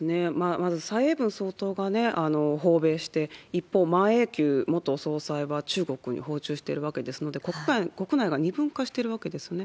まず蔡英文総統が訪米して、一方、馬英九元総裁が中国に訪中してるわけですので、国内が二分化してるわけですね。